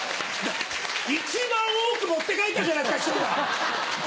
一番多く持って帰ったじゃないですか師匠が。